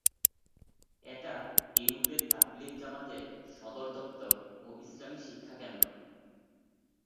এটা ইউরোপে তাবলিগ জামাতের সদর দপ্তর ও ইসলামী শিক্ষা কেন্দ্র।